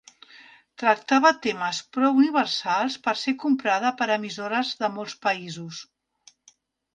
Tractava temes prou universals per ser comprada per emissores de molts països.